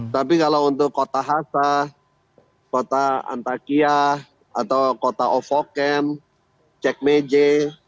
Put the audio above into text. tapi kalau untuk kota hasa kota antakya atau kota ovoken cekmeje